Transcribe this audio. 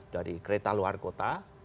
dari kereta luar kota